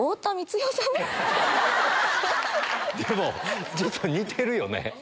でもちょっと似てるよね。